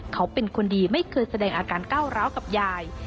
เขาเป็นคนดีไม่เคยแสดงอาการก้าวร้าวกับยาย